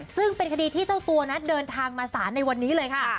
ซึ่งเป็นคดีที่เจ้าตัวนั้นเดินทางมาสารในวันนี้เลยค่ะ